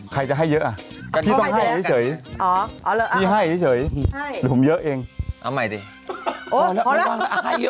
ใครจะให้เยอะอ่ะต้องเพราะว่ามันเยอะเถย